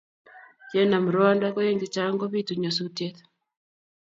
Ye nam ruondo ko eng chachang kobitu nyasutiet.